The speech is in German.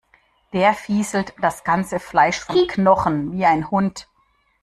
Der fieselt das ganze Fleisch vom Knochen, wie ein Hund.